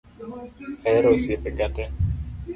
Ahero osiepe ga te